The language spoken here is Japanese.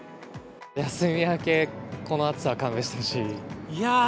休み明け、この暑さは勘弁しいやー